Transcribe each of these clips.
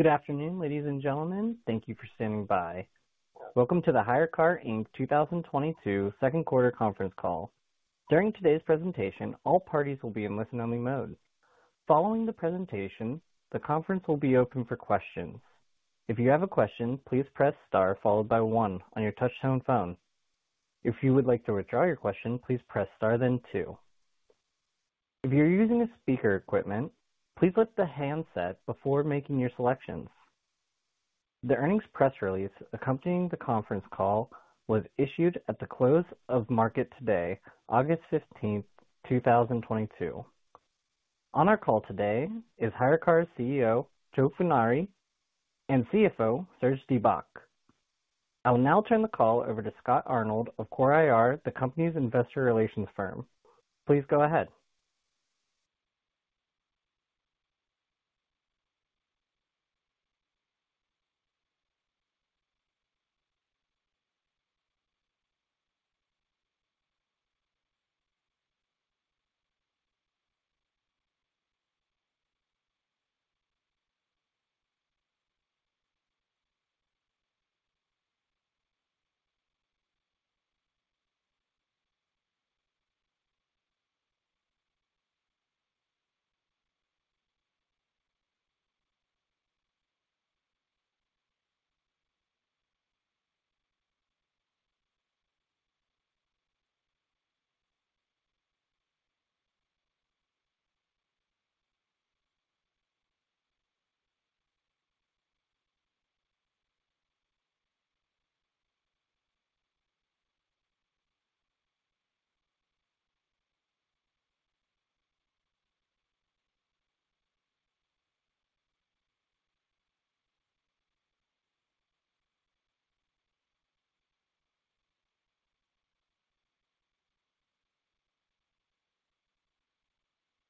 Good afternoon, ladies and gentlemen. Thank you for standing by. Welcome to the HyreCar Inc. 2022 second quarter conference call. During today's presentation, all parties will be in listen-only mode. Following the presentation, the conference will be open for questions. If you have a question, please press star followed by one on your touchtone phone. If you would like to withdraw your question, please press star then two. If you're using a speakerphone, please lift the handset before making your selections. The earnings press release accompanying the conference call was issued at the close of market today, August 15, 2022. On our call today is HyreCar's CEO, Joe Furnari, and CFO, Serge De Bock. I will now turn the call over to Scott Arnold of Core IR, the company's investor relations firm. Please go ahead.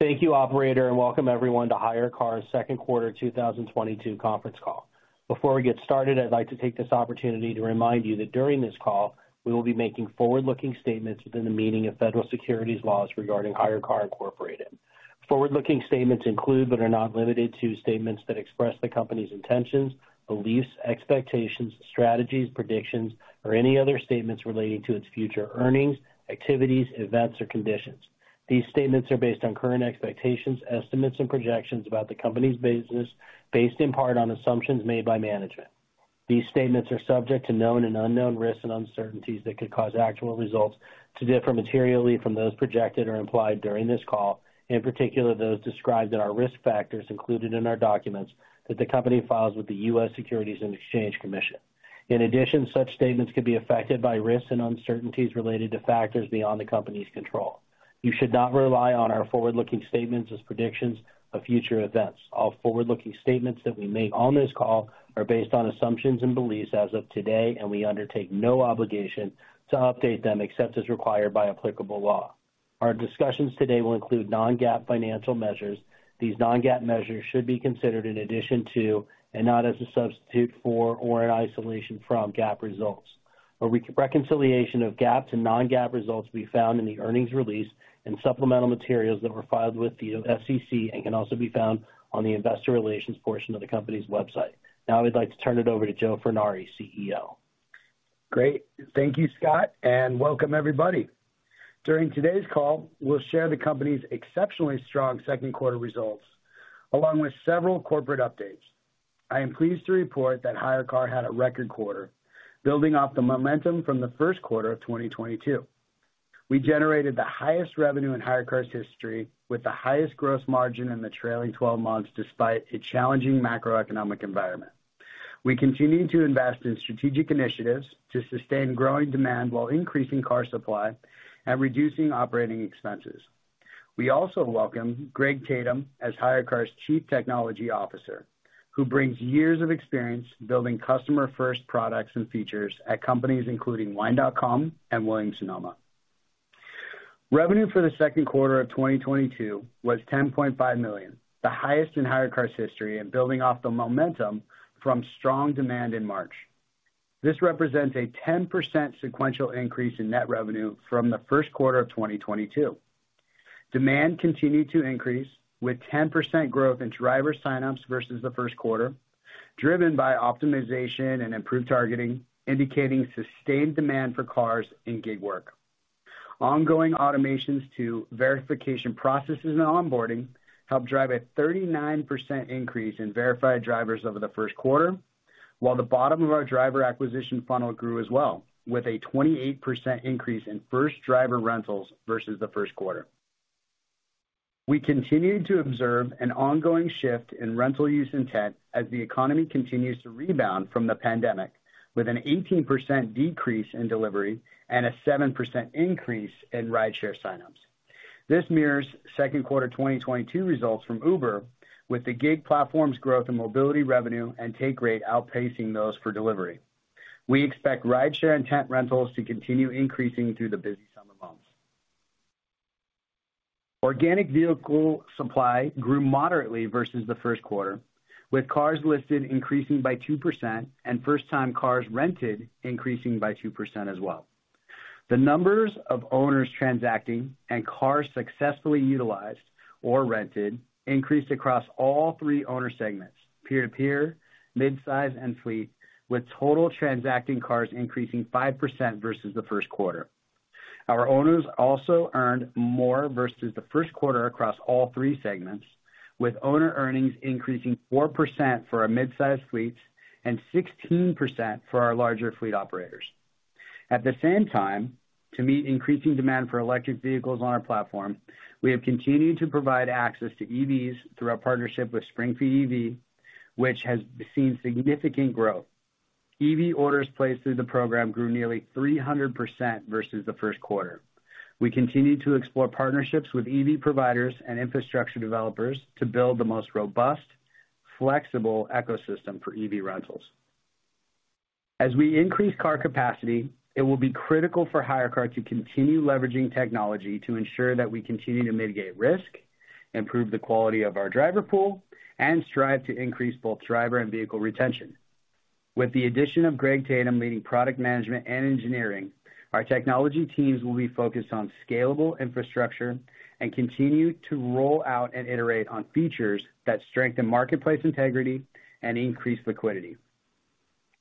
Thank you operator, and welcome everyone to HyreCar's second quarter 2022 conference call. Before we get started, I'd like to take this opportunity to remind you that during this call, we will be making forward-looking statements within the meaning of federal securities laws regarding HyreCar Incorporated. Forward-looking statements include, but are not limited to, statements that express the company's intentions, beliefs, expectations, strategies, predictions, or any other statements relating to its future earnings, activities, events, or conditions. These statements are based on current expectations, estimates, and projections about the company's business based in part on assumptions made by management. These statements are subject to known and unknown risks and uncertainties that could cause actual results to differ materially from those projected or implied during this call, and in particular, those described in our risk factors included in our documents that the company files with the U.S. Securities and Exchange Commission. In addition, such statements could be affected by risks and uncertainties related to factors beyond the company's control. You should not rely on our forward-looking statements as predictions of future events. All forward-looking statements that we make on this call are based on assumptions and beliefs as of today, and we undertake no obligation to update them except as required by applicable law. Our discussions today will include non-GAAP financial measures. These non-GAAP measures should be considered in addition to and not as a substitute for or an isolation from GAAP results. A reconciliation of GAAP to non-GAAP results will be found in the earnings release and supplemental materials that were filed with the SEC and can also be found on the investor relations portion of the company's website. Now I'd like to turn it over to Joe Furnari, CEO. Great. Thank you, Scott, and welcome everybody. During today's call, we'll share the company's exceptionally strong second quarter results along with several corporate updates. I am pleased to report that HyreCar had a record quarter building off the momentum from the first quarter of 2022. We generated the highest revenue in HyreCar's history with the highest gross margin in the trailing 12 months despite a challenging macroeconomic environment. We continue to invest in strategic initiatives to sustain growing demand while increasing car supply and reducing operating expenses. We also welcome Greg Tatem as HyreCar's Chief Technology Officer, who brings years of experience building customer-first products and features at companies including Wine.com and Williams-Sonoma. Revenue for the second quarter of 2022 was $10.5 million, the highest in HyreCar's history and building off the momentum from strong demand in March. This represents a 10% sequential increase in net revenue from the first quarter of 2022. Demand continued to increase with 10% growth in driver sign-ups versus the first quarter, driven by optimization and improved targeting, indicating sustained demand for cars in gig work. Ongoing automations to verification processes and onboarding helped drive a 39% increase in verified drivers over the first quarter, while the bottom of our driver acquisition funnel grew as well with a 28% increase in first driver rentals versus the first quarter. We continued to observe an ongoing shift in rental use intent as the economy continues to rebound from the pandemic with an 18% decrease in delivery and a 7% increase in rideshare sign-ups. This mirrors second quarter 2022 results from Uber with the gig platform's growth in mobility revenue and take rate outpacing those for delivery. We expect rideshare intent rentals to continue increasing through the busy summer months. Organic vehicle supply grew moderately versus the first quarter, with cars listed increasing by 2% and first-time cars rented increasing by 2% as well. The numbers of owners transacting and cars successfully utilized or rented increased across all three owner segments: peer-to-peer, mid-sized, and fleet, with total transacting cars increasing 5% versus the first quarter. Our owners also earned more versus the first quarter across all three segments, with owner earnings increasing 4% for our mid-sized fleets and 16% for our larger fleet operators. At the same time, to meet increasing demand for electric vehicles on our platform, we have continued to provide access to EVs through our partnership with Spring Free EV, which has seen significant growth. EV orders placed through the program grew nearly 300% versus the first quarter. We continue to explore partnerships with EV providers and infrastructure developers to build the most robust, flexible ecosystem for EV rentals. As we increase car capacity, it will be critical for HyreCar to continue leveraging technology to ensure that we continue to mitigate risk, improve the quality of our driver pool, and strive to increase both driver and vehicle retention. With the addition of Greg Tatem leading product management and engineering, our technology teams will be focused on scalable infrastructure and continue to roll out and iterate on features that strengthen marketplace integrity and increase liquidity.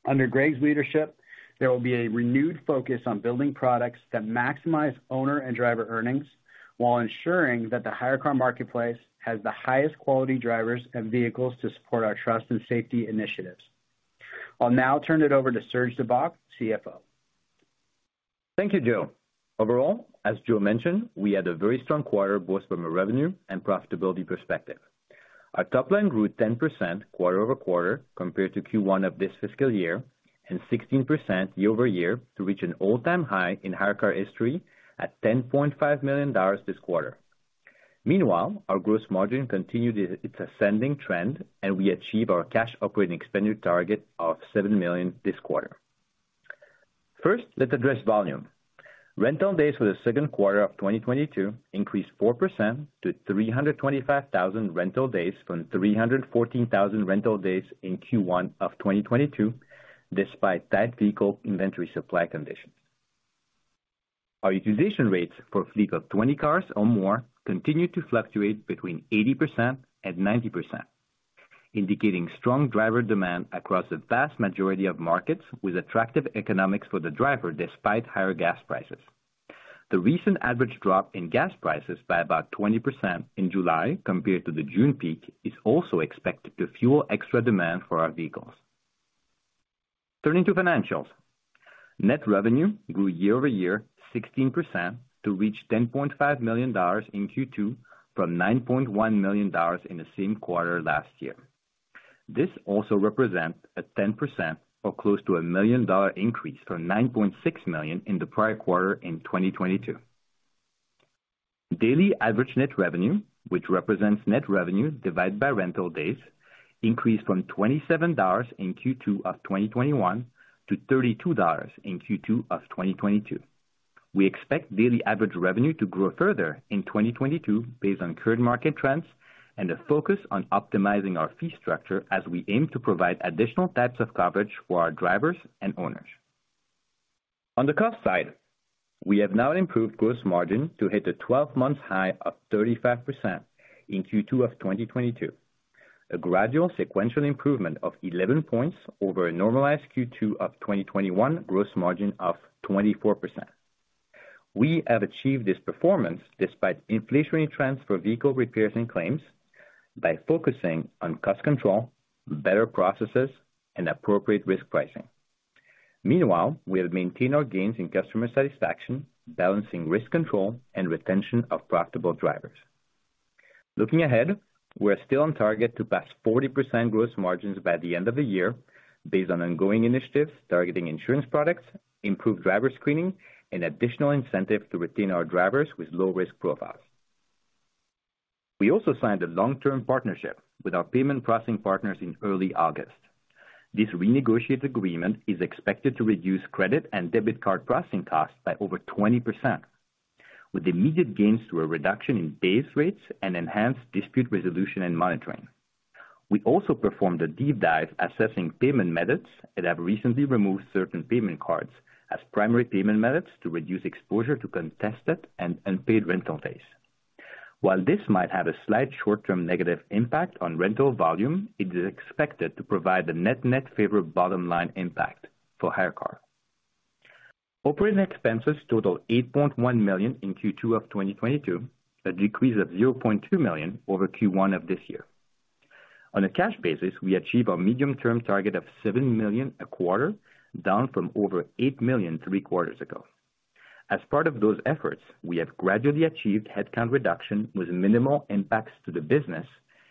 Under Greg's leadership, there will be a renewed focus on building products that maximize owner and driver earnings while ensuring that the HyreCar marketplace has the highest quality drivers and vehicles to support our trust and safety initiatives. I'll now turn it over to Serge De Bock, CFO. Thank you, Joe. Overall, as Joe mentioned, we had a very strong quarter, both from a revenue and profitability perspective. Our top line grew 10% quarter-over-quarter compared to Q1 of this fiscal year, and 16% year-over-year to reach an all-time high in HyreCar history at $10.5 million this quarter. Meanwhile, our gross margin continued its ascending trend, and we achieved our cash operating expenditure target of $7 million this quarter. First, let's address volume. Rental days for the second quarter of 2022 increased 4% to 325,000 rental days from 314,000 rental days in Q1 of 2022, despite tight vehicle inventory supply conditions. Our utilization rates for a fleet of 20 cars or more continued to fluctuate between 80% and 90%, indicating strong driver demand across the vast majority of markets with attractive economics for the driver despite higher gas prices. The recent average drop in gas prices by about 20% in July compared to the June peak is also expected to fuel extra demand for our vehicles. Turning to financials. Net revenue grew year-over-year 16% to reach $10.5 million in Q2 from $9.1 million in the same quarter last year. This also represents a 10% or close to a million-dollar increase from $9.6 million in the prior quarter in 2022. Daily average net revenue, which represents net revenue divided by rental days, increased from $27 in Q2 of 2021 to $32 in Q2 of 2022. We expect daily average revenue to grow further in 2022 based on current market trends and a focus on optimizing our fee structure as we aim to provide additional types of coverage for our drivers and owners. On the cost side, we have now improved gross margin to hit a 12-month high of 35% in Q2 of 2022, a gradual sequential improvement of 11 points over a normalized Q2 of 2021 gross margin of 24%. We have achieved this performance despite inflationary trends for vehicle repairs and claims by focusing on cost control, better processes, and appropriate risk pricing. Meanwhile, we have maintained our gains in customer satisfaction, balancing risk control and retention of profitable drivers. Looking ahead, we are still on target to pass 40% gross margins by the end of the year based on ongoing initiatives targeting insurance products, improved driver screening, and additional incentive to retain our drivers with low risk profiles. We also signed a long-term partnership with our payment processing partners in early August. This renegotiated agreement is expected to reduce credit and debit card processing costs by over 20%, with immediate gains through a reduction in base rates and enhanced dispute resolution and monitoring. We also performed a deep dive assessing payment methods and have recently removed certain payment cards as primary payment methods to reduce exposure to contested and unpaid rental days. While this might have a slight short-term negative impact on rental volume, it is expected to provide a net-net favorable bottom line impact for HyreCar. Operating expenses totaled $8.1 million in Q2 of 2022, a decrease of $0.2 million over Q1 of this year. On a cash basis, we achieved our medium-term target of $7 million a quarter, down from over $8 million three quarters ago. As part of those efforts, we have gradually achieved headcount reduction with minimal impacts to the business,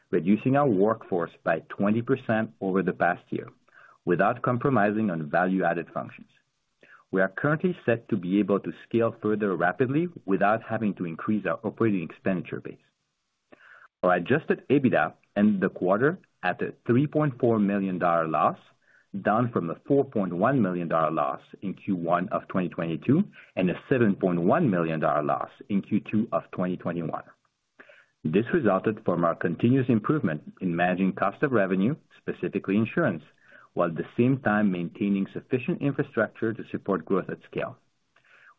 reducing our workforce by 20% over the past year without compromising on value-added functions. We are currently set to be able to scale further rapidly without having to increase our operating expenditure base. Our adjusted EBITDA ended the quarter at a $3.4 million loss, down from the $4.1 million loss in Q1 of 2022 and a $7.1 million loss in Q2 of 2021. This resulted from our continuous improvement in managing cost of revenue, specifically insurance, while at the same time maintaining sufficient infrastructure to support growth at scale.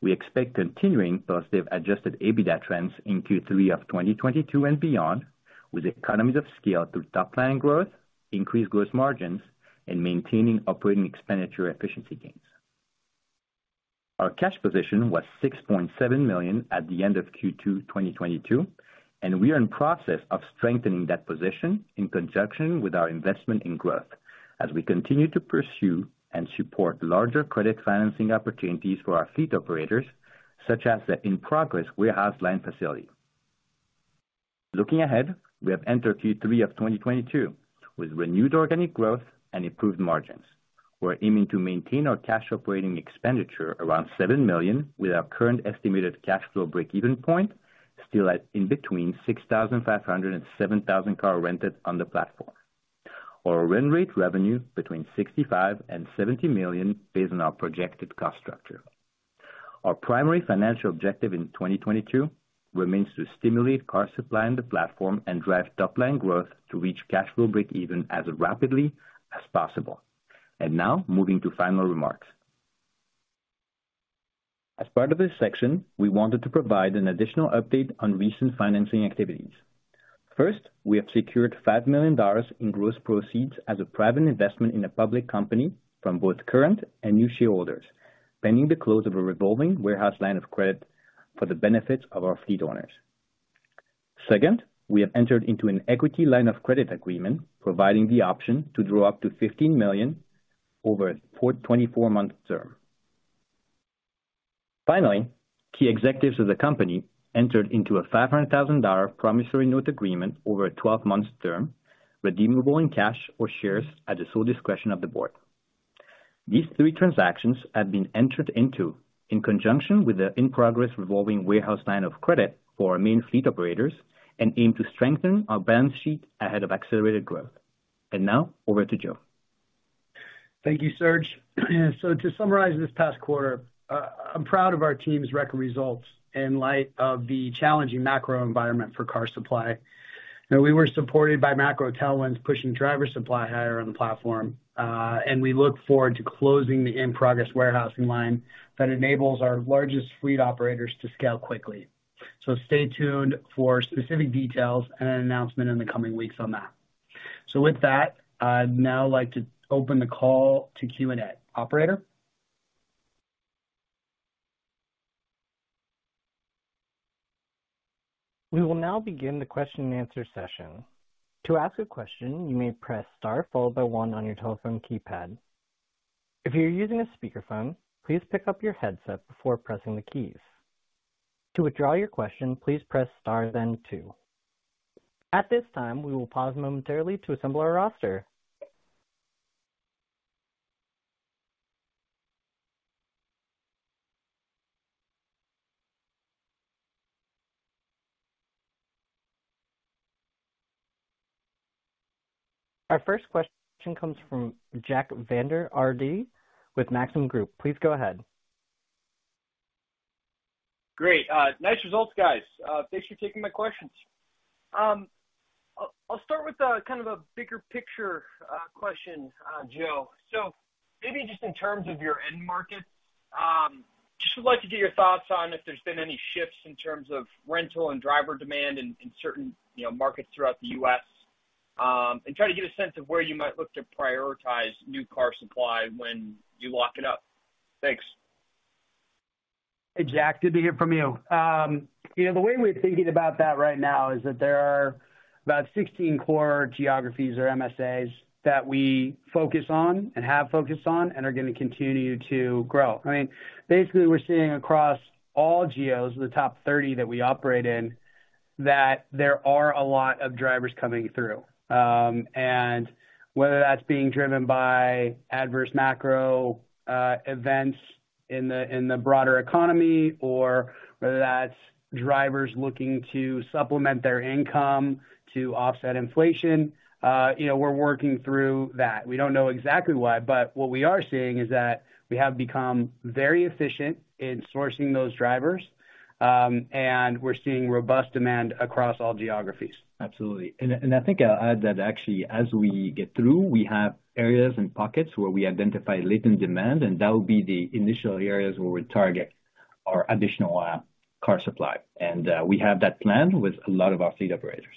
We expect continuing positive adjusted EBITDA trends in Q3 of 2022 and beyond, with economies of scale through top planning growth, increased gross margins and maintaining operating expenditure efficiency gains. Our cash position was $6.7 million at the end of Q2 2022, and we are in process of strengthening that position in conjunction with our investment in growth as we continue to pursue and support larger credit financing opportunities for our fleet operators, such as the in-progress warehouse line facility. Looking ahead, we have entered Q3 of 2022 with renewed organic growth and improved margins. We're aiming to maintain our cash operating expenditure around $7 million with our current estimated cash flow break-even point still at in between 6,500 and 7,000 cars rented on the platform, or a run rate revenue between $65 million and $70 million based on our projected cost structure. Our primary financial objective in 2022 remains to stimulate car supply in the platform and drive top-line growth to reach cash flow break even as rapidly as possible. Now moving to final remarks. As part of this section, we wanted to provide an additional update on recent financing activities. First, we have secured $5 million in gross proceeds as a private investment in a public company from both current and new shareholders, pending the close of a revolving warehouse line of credit for the benefit of our fleet owners. Second, we have entered into an equity line of credit agreement providing the option to draw up to $15 million over a 42-month term. Finally, key executives of the company entered into a $500,000 promissory note agreement over a 12-month term, redeemable in cash or shares at the sole discretion of the board. These three transactions have been entered into in conjunction with the in-progress revolving warehouse line of credit for our main fleet operators and aim to strengthen our balance sheet ahead of accelerated growth. Now over to Joe. Thank you, Serge. To summarize this past quarter, I'm proud of our team's record results in light of the challenging macro environment for car supply. Now we were supported by macro tailwinds pushing driver supply higher on the platform. We look forward to closing the in-progress warehousing line that enables our largest fleet operators to scale quickly. Stay tuned for specific details and an announcement in the coming weeks on that. With that, I'd now like to open the call to Q&A. Operator? We will now begin the question-and-answer session. To ask a question, you may press star followed by one on your telephone keypad. If you're using a speakerphone, please pick up your headset before pressing the keys. To withdraw your question, please press star then two. At this time, we will pause momentarily to assemble our roster. Our first question comes from Jack Vander Aarde with Maxim Group. Please go ahead. Great. Nice results, guys. Thanks for taking my questions. I'll start with kind of a bigger picture question, Joe. Maybe just in terms of your end markets, just would like to get your thoughts on if there's been any shifts in terms of rental and driver demand in certain, you know, markets throughout the U.S., and try to get a sense of where you might look to prioritize new car supply when you lock it up. Thanks. Hey, Jack. Good to hear from you. You know, the way we're thinking about that right now is that there are about 16 core geographies or MSAs that we focus on and have focused on and are gonna continue to grow. I mean, basically, we're seeing across all geos in the top 30 that we operate in that there are a lot of drivers coming through. Whether that's being driven by adverse macro events in the broader economy or whether that's drivers looking to supplement their income to offset inflation, you know, we're working through that. We don't know exactly why, but what we are seeing is that we have become very efficient in sourcing those drivers, and we're seeing robust demand across all geographies. Absolutely. I think I'll add that actually, as we get through, we have areas and pockets where we identify latent demand, and that will be the initial areas where we target our additional car supply. We have that plan with a lot of our fleet operators.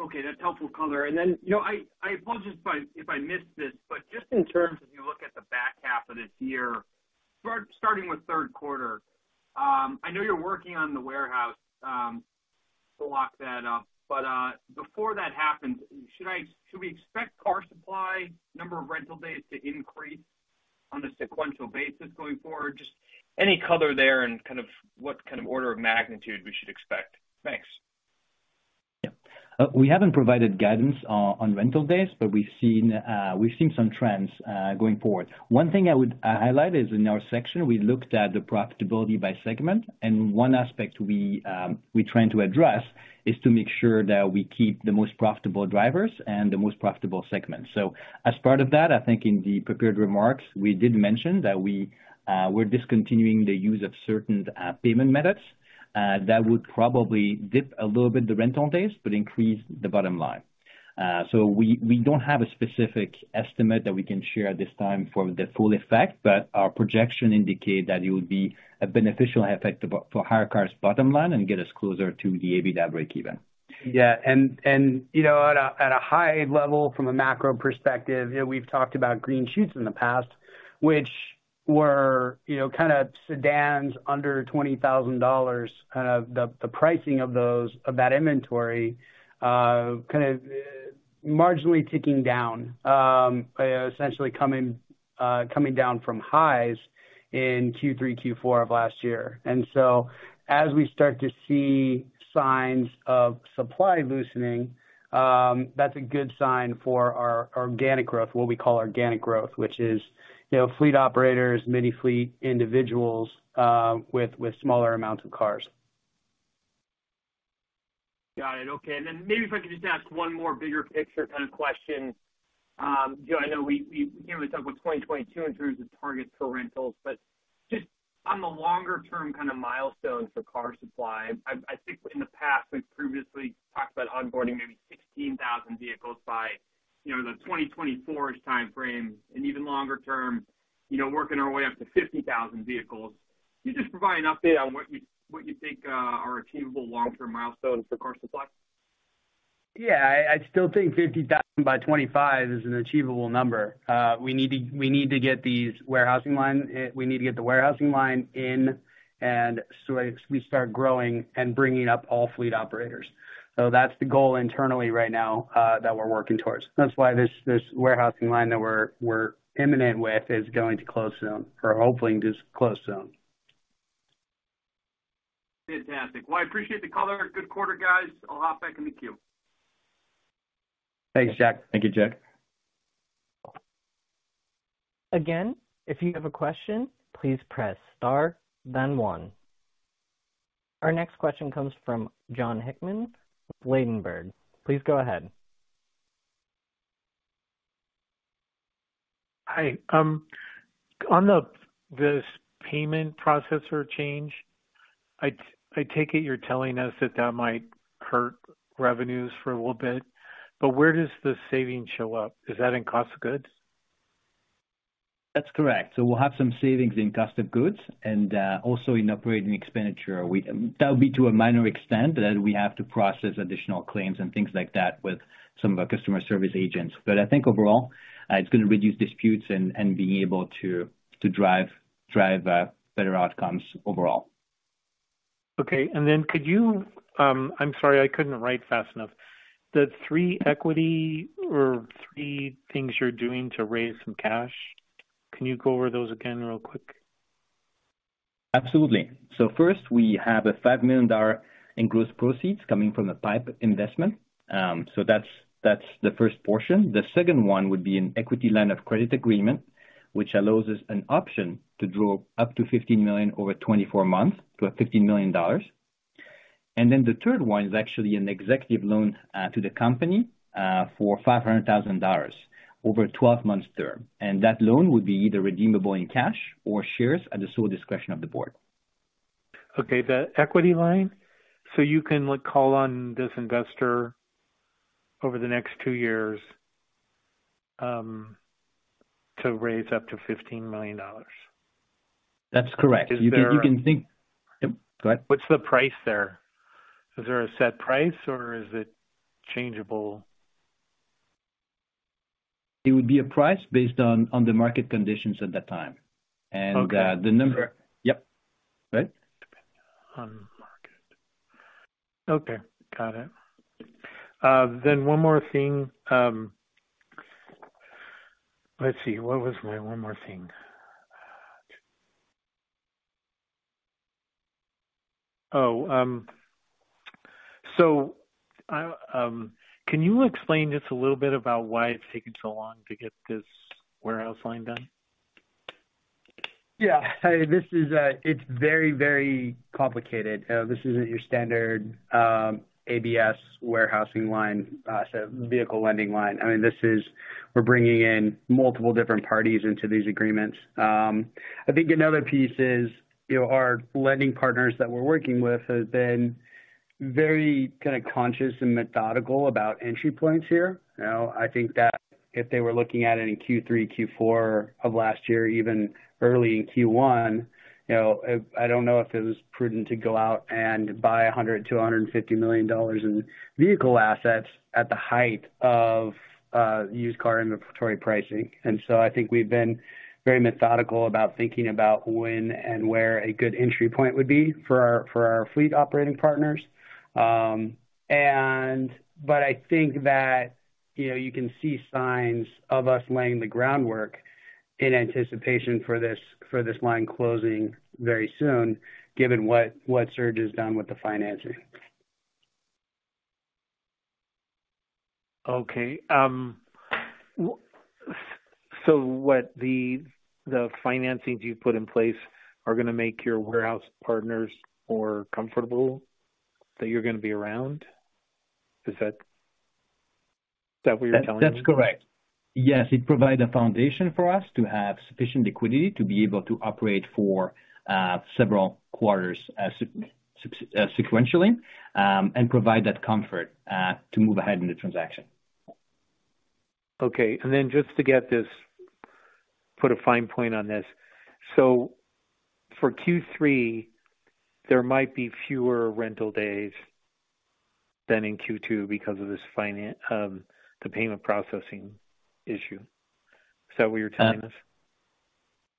Okay. That's helpful color. You know, I apologize if I missed this, but just in terms, as you look at the back half of this year, starting with third quarter, I know you're working on the warehouse to lock that up. Before that happens, should we expect car supply number of rental days to increase on a sequential basis going forward? Just any color there and kind of what kind of order of magnitude we should expect. Thanks. Yeah. We haven't provided guidance on rental days, but we've seen some trends going forward. One thing I would highlight is in our section, we looked at the profitability by segment, and one aspect we're trying to address is to make sure that we keep the most profitable drivers and the most profitable segments. As part of that, I think in the prepared remarks, we did mention that we're discontinuing the use of certain payment methods that would probably dip a little bit the rental days but increase the bottom line. We don't have a specific estimate that we can share at this time for the full effect, but our projection indicate that it would be a beneficial effect for HyreCar's bottom line and get us closer to the EBITDA breakeven. Yeah. At a high level, from a macro perspective, you know, we've talked about green shoots in the past, which were, you know, kind of sedans under $20,000. Kind of the pricing of that inventory kind of marginally ticking down, essentially coming down from highs in Q3, Q4 of last year. As we start to see signs of supply loosening, that's a good sign for our organic growth, what we call organic growth, which is, you know, fleet operators, mini fleet individuals with smaller amounts of cars. Got it. Okay. Maybe if I could just ask one more bigger picture kind of question. You know, I know we came to talk about 2022 in terms of targets for rentals, but just on the longer term kind of milestones for car supply, I think in the past we've previously talked about onboarding maybe 16,000 vehicles by, you know, the 2024-ish timeframe and even longer term, you know, working our way up to 50,000 vehicles. Can you just provide an update on what you think are achievable long-term milestones for car supply? Yeah. I still think 50,000 by 2025 is an achievable number. We need to get the warehouse line in, and as we start growing and bringing up all fleet operators. That's the goal internally right now that we're working towards. That's why this warehouse line that we're imminent with is going to close soon or hoping to close soon. Fantastic. Well, I appreciate the color. Good quarter, guys. I'll hop back in the queue. Thanks, Jack. Thank you, Jack. Again, if you have a question, please press star then one. Our next question comes from Jon Hickman, Ladenburg Thalmann. Please go ahead. Hi. On this payment processor change, I take it you're telling us that that might hurt revenues for a little bit, but where does the saving show up? Is that in cost of goods? That's correct. We'll have some savings in cost of goods and also in operating expenditure. That would be to a minor extent that we have to process additional claims and things like that with some of our customer service agents. I think overall, it's gonna reduce disputes and being able to drive better outcomes overall. Okay. Could you, I'm sorry, I couldn't write fast enough. The three equity or three things you're doing to raise some cash, can you go over those again real quick? Absolutely. First, we have $5 million in gross proceeds coming from the PIPE investment. That's the first portion. The second one would be an equity line of credit agreement, which allows us an option to draw up to $15 million over 24 months to $15 million. The third one is actually an executive loan to the company for $500,000 over a 12-month term. That loan would be either redeemable in cash or shares at the sole discretion of the board. Okay. The equity line, so you can like call on this investor over the next two years to raise up to $15 million? That's correct. Is there- You can think. Yep. Go ahead. What's the price there? Is there a set price or is it changeable? It would be a price based on the market conditions at that time. Okay. The number- Sure. Yep. Right. Depend on market. Okay. Got it. One more thing. Let's see. What was my one more thing? Oh, can you explain just a little bit about why it's taking so long to get this warehouse line done? Yeah. This is, it's very, very complicated. This isn't your standard ABS warehousing line, so vehicle lending line. I mean, this is. We're bringing in multiple different parties into these agreements. I think another piece is, you know, our lending partners that we're working with have been very kinda conscious and methodical about entry points here. You know, I think that if they were looking at it in Q3, Q4 of last year, even early in Q1, you know, I don't know if it was prudent to go out and buy $100 million-$250 million in vehicle assets at the height of used car inventory pricing. I think we've been very methodical about thinking about when and where a good entry point would be for our fleet operating partners. I think that, you know, you can see signs of us laying the groundwork in anticipation for this line closing very soon, given what Serge has done with the financing. Okay. What the financings you've put in place are gonna make your warehouse partners more comfortable that you're gonna be around? Is that what you're telling me? That's correct. Yes. It provide a foundation for us to have sufficient liquidity to be able to operate for several quarters sequentially and provide that comfort to move ahead in the transaction. Okay. Just to get this. Put a fine point on this. For Q3, there might be fewer rental days than in Q2 because of this, the payment processing issue. Is that what you're telling us?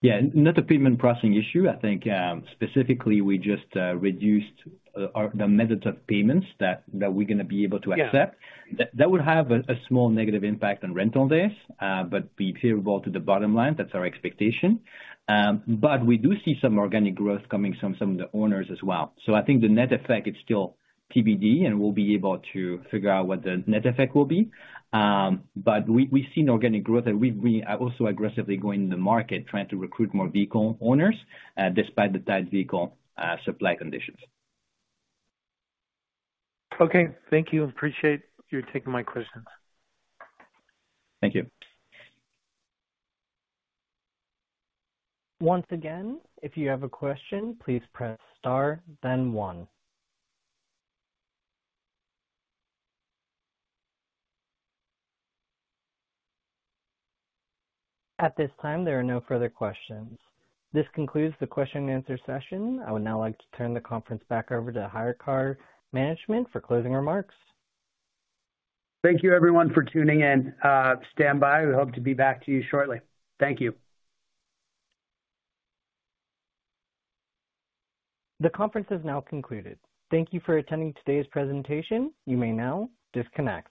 Yeah. Not the payment processing issue. I think, specifically, we just reduced the methods of payments that we're gonna be able to accept. Yeah. That would have a small negative impact on rental days, but be favorable to the bottom line. That's our expectation. We do see some organic growth coming from some of the owners as well. I think the net effect is still TBD, and we'll be able to figure out what the net effect will be. We've seen organic growth and we are also aggressively going into the market trying to recruit more vehicle owners, despite the tight vehicle supply conditions. Okay. Thank you. Appreciate your taking my questions. Thank you. Once again, if you have a question, please press star then one. At this time, there are no further questions. This concludes the question and answer session. I would now like to turn the conference back over to HyreCar management for closing remarks. Thank you everyone for tuning in. Stand by. We hope to be back to you shortly. Thank you. The conference is now concluded. Thank you for attending today's presentation. You may now disconnect.